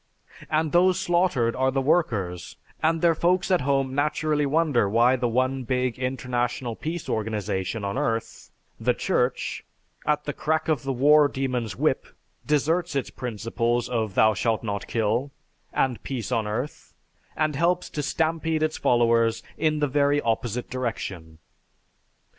And those slaughtered are the workers, and their folks at home naturally wonder why the one big international peace organization on earth, the Church, at the crack of the war demon's whip, deserts its principles of 'Thou shalt not kill,' and 'Peace on earth,' and helps to stampede its followers in the very opposite direction."